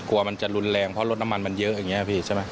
กลัวมันจะรุนแรงเพราะรถน้ำมันมันเยอะอย่างนี้พี่ใช่ไหม